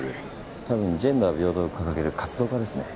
多分ジェンダー平等を掲げる活動家ですね。